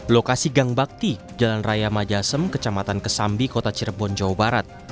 lokasi gang bakti jalan raya majasem kecamatan kesambi kota cirebon jawa barat